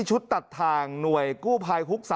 ตัดทางหน่วยกู้ภัยฮุก๓